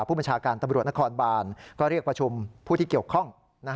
ผู้บัญชาการตำรวจนครบานก็เรียกประชุมผู้ที่เกี่ยวข้อง